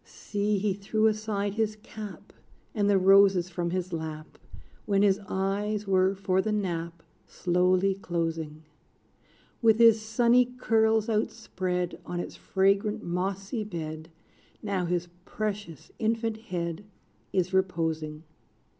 See, he threw aside his cap, And the roses from his lap, When his eyes were, for the nap, Slowly closing: Wit his sunny curls outspread, On its fragrant mossy bed, Now his precious infant head Is reposing.